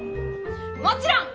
もちろん！